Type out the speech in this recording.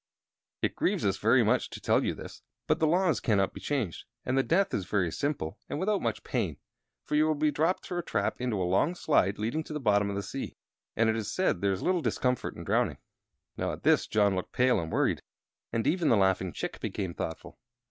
It grieves us very much to tell you this; but the laws cannot be changed, and the death is very simple and without much pain. For you will be dropped through a trap into a long slide leading to the bottom of the sea; and it is said there is little discomfort in drowning." Now, at this John looked pale and worried, and even the laughing Chick became thoughtful.